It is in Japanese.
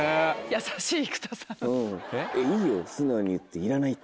優しい。